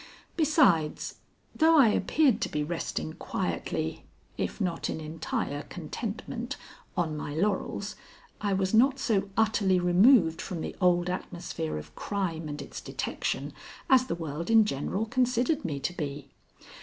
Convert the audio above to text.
Besides, though I appeared to be resting quietly, if not in entire contentment, on my laurels, I was not so utterly removed from the old atmosphere of crime and its detection as the world in general considered me to be.